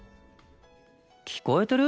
聞こえてる？